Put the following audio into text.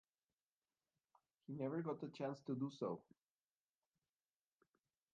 He never got the chance to do so.